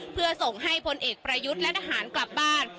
เพื่อส่งให้พลเอกประยุทธ์และทหารกลับบ้าน